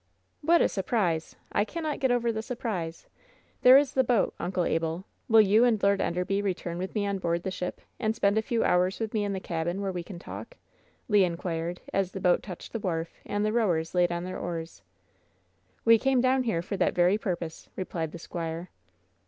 "What a surprise! I cannot get over the surprise. There is the boat, Uncle Abel. Will you and Lord En derby return with me on board the ship, and spend a few hours with me in the cabin, where we can talk " Le inquired, as the boat touched the wharf and the rowers laid on their oars. 1 100 WHEN SHADOWS DIE "We came down here for that very purpose," replied the squire.